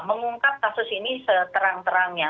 mengungkap kasus ini seterang terangnya